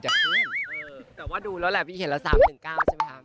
แต่ว่าดูแล้วแหละพี่เห็นละ๓๑๙ใช่ไหมคะ